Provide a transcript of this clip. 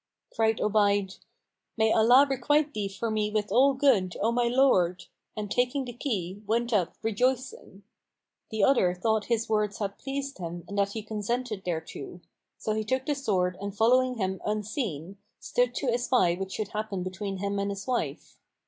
Cried Obayd, "May Allah requite thee for me with all good, O my lord!" and taking the key, went up, rejoicing. The other thought his words had pleased him and that he consented thereto; so he took the sword and following him unseen, stood to espy what should happen between him and his wife.